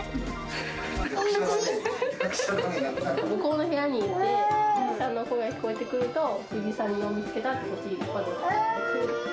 向こうの部屋にいて、藤井さんの声が聞こえてくると、藤井さんを見つけたって、こっちに。